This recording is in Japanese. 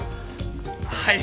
はい。